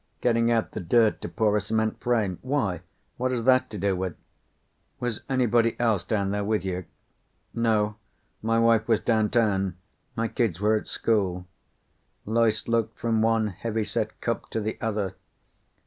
Getting out the dirt to pour a cement frame. Why? What has that to do with " "Was anybody else down there with you?" "No. My wife was downtown. My kids were at school." Loyce looked from one heavy set cop to the other.